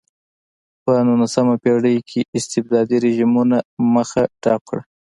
په نولسمه پېړۍ کې استبدادي رژیمونو مخه ډپ کړه.